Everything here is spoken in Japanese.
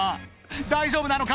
大丈夫なのか？